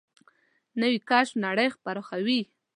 نوې کشف نړۍ پراخوي